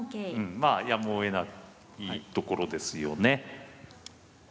まあやむをえないところですよね。